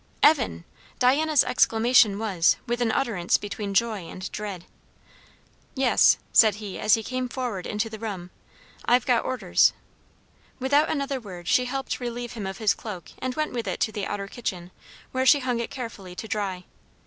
"Evan!" Diana's exclamation was, with an utterance between joy and dread. "Yes," said he as he came forward into the room, "I've got orders." Without another word she helped relieve him of his cloak and went with it to the outer kitchen, where she hung it carefully to dry.